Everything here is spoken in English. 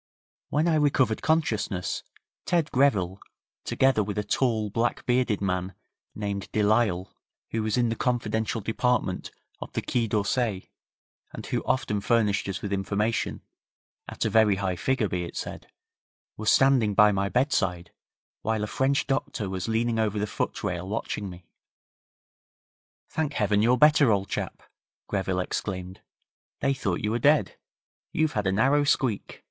When I recovered consciousness, Ted Greville, together with a tall, black bearded man named Delisle, who was in the confidential department of the Quai d'Orsay and who often furnished us with information at a very high figure, be it said were standing by my bedside, while a French doctor was leaning over the foot rail watching me. 'Thank heaven you're better, old chap!' Greville exclaimed. 'They thought you were dead. You've had a narrow squeak.